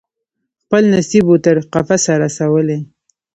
خپل نصیب وو تر قفسه رسولی